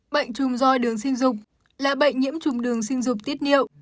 bệnh trùng do đường sinh dục là bệnh nhiễm trùng đường sinh dục tiết niệu